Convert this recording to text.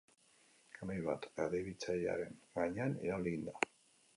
Kamioi bat erdibitzailearen gainean irauli egin da.